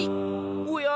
おや！